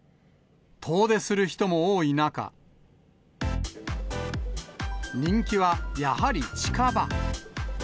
遠出する人も多い中、人気はやはり近場。